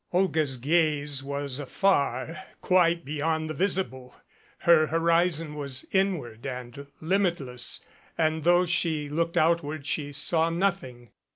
Olga's gaze was afar, quite beyond the visible. Her horizon was inward and limitless, and though she looked outward she saw nothing.